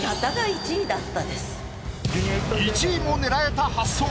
１位も狙えた発想。